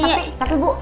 iya tapi bu